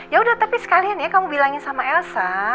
yaudah tapi sekalian ya kamu bilangin sama elsa